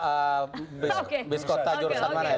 itu opline bis kota jurusan mana itu